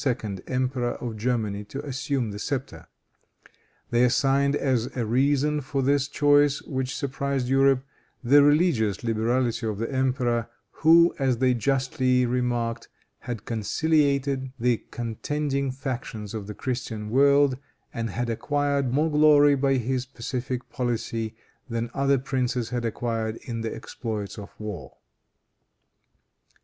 Emperor of Germany, to assume the scepter. They assigned as a reason for this choice, which surprised Europe, the religious liberality of the emperor, who, as they justly remarked, had conciliated the contending factions of the Christian world, and had acquired more glory by his pacific policy than other princes had acquired in the exploits of war.